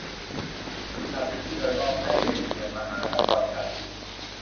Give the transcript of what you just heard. พัฒนาพื้นที่โดยรอบให้เป็นเมืองมหานครการบิน